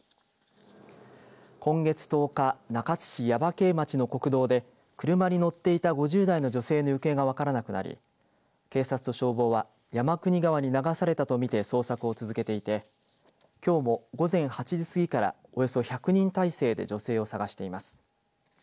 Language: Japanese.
今月１０日中津市耶馬溪町の国道で車に乗っていた５０代の女性の行方が分らなくなり警察と消防は山国川に流されたとみて捜索を続けていてきょうも午前８時過ぎからおよそ１００人態勢で女性を探しています。